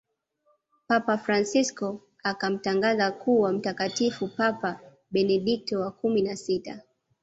papa fransisko akamtangaza kuwa mtakatifu papa benedikto wa kumi na sita